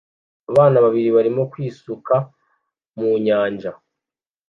Abana babiri barimo kwisuka mu nyanja